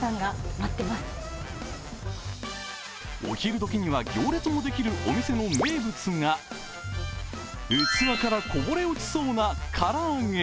お昼時には行列もできるお店の名物が器からこぼれ落ちそうな唐揚げ。